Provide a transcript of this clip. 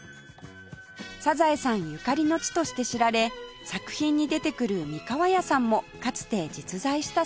『サザエさん』ゆかりの地として知られ作品に出てくる三河屋さんもかつて実在したそうです